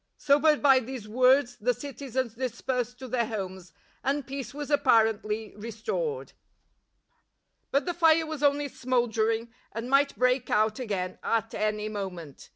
Sobered by these words, the citizens dis persed to their homes, and peace was appai ently restored. ,, aSr;::::::::;/::: V But the fire was only smouldering and might break out again at any moment.